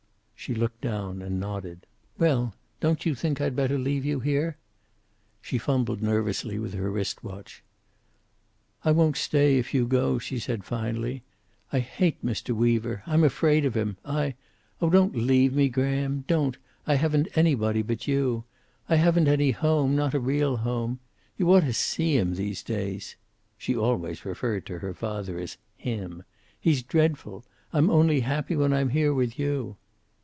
She looked down and nodded. "Well, don't you think I'd better leave you here?" She fumbled nervously with her wrist watch. "I won't stay here if you go," she said finally. "I hate Mr. Weaver. I'm afraid of him. I oh, don't leave me, Graham. Don't. I haven't anybody but you. I haven't any home not a real home. You ought to see him these days." She always referred to her father as "him." "He's dreadful. I'm only happy when I'm here with you."